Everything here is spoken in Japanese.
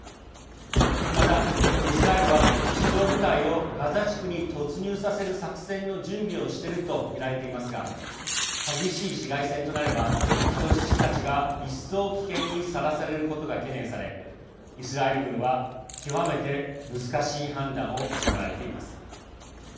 また、イスラエルは地上部隊をガザ地区に突入させる作戦の準備をしているとみられていますが激しい市街戦となれば人質たちが一層、危険にさらされることが懸念されイスラエル軍は極めて難しい判断を迫られています。